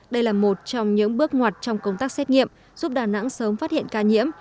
đây là một trong những bước ngoặt trong công tác xét nghiệm giúp đà nẵng sớm phát hiện ca nhiễm